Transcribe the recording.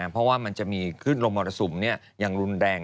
เพราะว่ามันจะมีขึ้นลมมรสุมอย่างรุนแรง